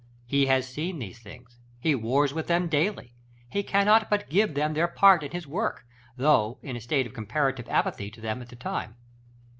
He has seen these things; he wars with them daily; he cannot but give them their part in his work, though in a state of comparative apathy to them at the time.